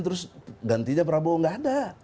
terus gantinya prabowo nggak ada